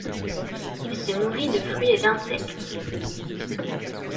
Il se nourrit de fruits et d'insectes.